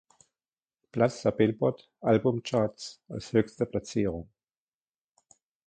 Platz der Billboard-Albumcharts als höchste Platzierung.